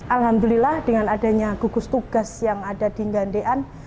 alhamdulillah dengan adanya gugus tugas yang ada di gandean